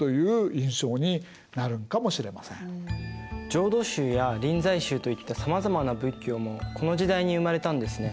浄土宗や臨済宗といったさまざまな仏教もこの時代に生まれたんですね。